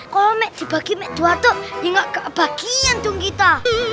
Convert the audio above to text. kalau dibagi dua toh ya gak kebagian dong kita